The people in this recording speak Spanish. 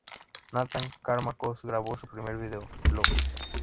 Nathan "Karma" Cox grabó su primer video, "Loco".